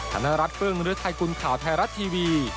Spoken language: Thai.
ธนรัฐเฟิร์งหรือไทยกุลข่าวไทยรัฐทีวี